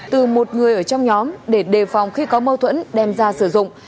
từ một người ở trong nhóm để đề phòng khi có mâu thuẫn đem ra sử dụng